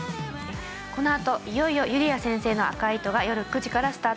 このあといよいよ『ゆりあ先生の赤い糸』が夜９時からスタートします。